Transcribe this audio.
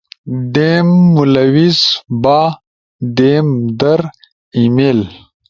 دیم، ملوث با، دیم در، ای میل